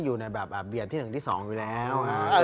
อยู่ในแบบเวียนที่ถึงสิบ๒แล้ว